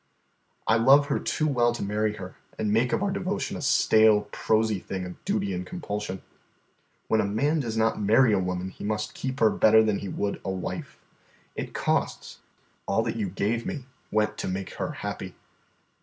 "I love her too well to marry her and make of our devotion a stale, prosy thing of duty and compulsion. When a man does not marry a woman, he must keep her better than he would a wife. It costs. All that you gave me went to make her happy.